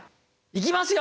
いきますよ！